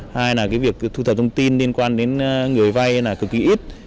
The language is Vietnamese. hai là cái việc thu thập thông tin liên quan đến người vay là cực kỳ ít